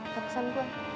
gak urusan gue